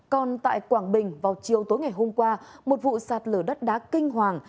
còn tại quảng bình vào chiều tối ngày hôm qua một vụ sạt lở đất đá kinh hoàng